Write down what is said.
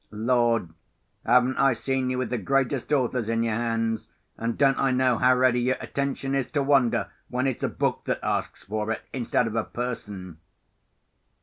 Lord! haven't I seen you with the greatest authors in your hands, and don't I know how ready your attention is to wander when it's a book that asks for it, instead of a person?